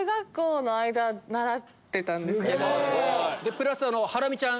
プラスハラミちゃん